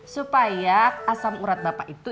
supaya asam urat bapak itu